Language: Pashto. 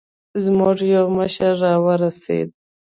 زموږ يو مشر راورسېد.